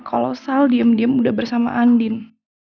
kalau sal diem diem udah bersama andin